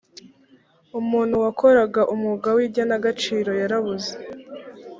umuntu wakoraga umwuga w ‘igenagaciro yarabuze.